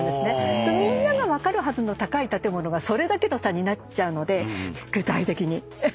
みんなが分かるはずの高い建物がそれだけの差になっちゃうので。